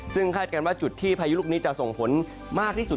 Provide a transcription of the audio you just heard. ซึ่งคาดการณ์ว่าจุดที่พายุลูกนี้จะส่งผลมากที่สุด